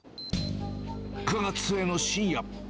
９月末の深夜。